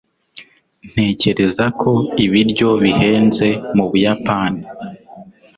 Ntekereza ko ibiryo bihenze mu Buyapani.